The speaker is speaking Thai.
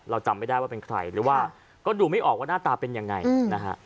จำไม่ได้ว่าเป็นใครหรือว่าก็ดูไม่ออกว่าหน้าตาเป็นยังไงนะฮะ